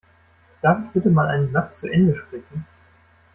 Darf ich bitte mal einen Satz zu Ende sprechen?